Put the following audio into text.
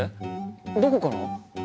どこから？